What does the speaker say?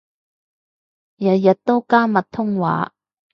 日日都加密通話